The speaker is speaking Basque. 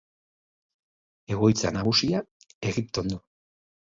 Egoitza nagusia Egipton du.